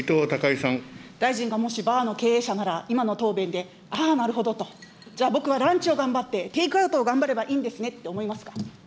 大臣がもし、バーの経営者なら、今の答弁でああ、なるほどと、じゃあ僕はランチを頑張って、テイクアウトを頑張ればいいんですねと思いますか。